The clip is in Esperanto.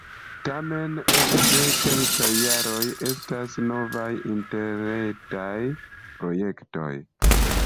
Tamen, ekde kelkaj jaroj estas novaj interretaj projektoj.